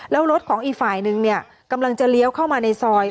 แล้วรถของอีกฝ่ายนึงเนี่ยกำลังจะเลี้ยวเข้ามาในซอย